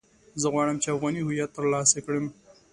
زه غواړم چې افغاني هويت ترلاسه کړم.